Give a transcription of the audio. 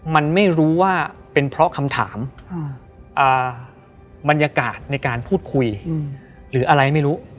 มันไม่รู้ว่าเป็นเพราะคำถามบรรยากาศในการพูดคุยหรืออะไรไม่รู้